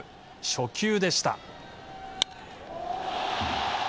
初球でした。